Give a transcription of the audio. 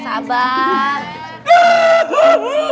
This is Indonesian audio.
sabar pak deng